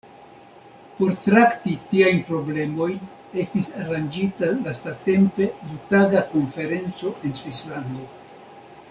Por trakti tiajn problemojn estis aranĝita lastatempe du-taga konferenco en Svislando.